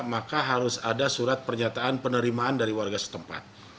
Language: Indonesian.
maka harus ada surat pernyataan penerimaan dari warga setempat